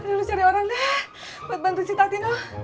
aduh lo cari orang deh buat bantu si tatino